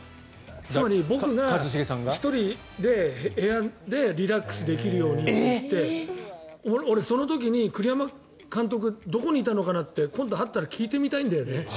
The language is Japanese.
つまり、僕が１人で部屋でリラックスできるようにって。俺、その時に栗山監督がどこにいたのかなって今度会ったら聞いてみたいんだよね。